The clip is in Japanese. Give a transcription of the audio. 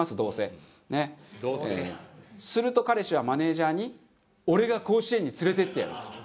すると彼氏はマネージャーに「俺が甲子園に連れてってやる」と言います。